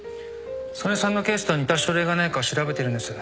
曽根さんのケースと似た症例がないか調べてるんです。